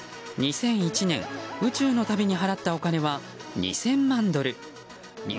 ２００１年、宇宙の旅に払ったお金は２０００万ドル。